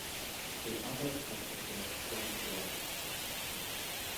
The other apostle wears torn clothes.